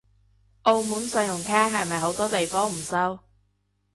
澳門信用卡係咪好多地方唔收？